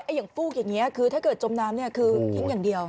อย่างฟูกอย่างนี้คือถ้าเกิดจมน้ำคือทิ้งอย่างเดียว